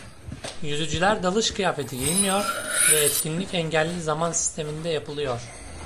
Yüzücüler dalış kıyafeti giymiyor ve etkinlik engelli zaman sisteminde yapılıyor.